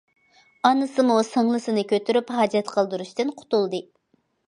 ئانىسىمۇ سىڭلىسىنى كۆتۈرۈپ ھاجەت قىلدۇرۇشتىن قۇتۇلدى.